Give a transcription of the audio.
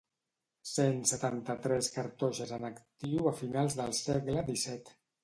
Cent setanta-tres cartoixes en actiu a finals del segle disset.